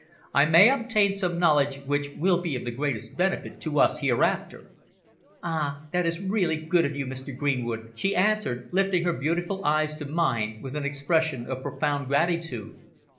"I may obtain some knowledge which will be of the greatest benefit to us hereafter." "Ah! it is really very good of you, Mr. Greenwood," she answered, lifting her beautiful eyes to mine with an expression of profound gratitude.